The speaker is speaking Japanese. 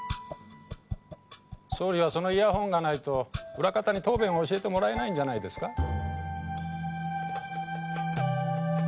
総理はそのイヤホンがないと裏方に答弁を教えてもらえないんじゃないですか？